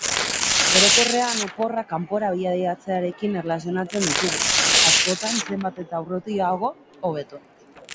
Orokorrean oporrak kanpora bidaiatzearekin erlazionatzen ditugu, askotan zenbat eta urrutiago hobeto.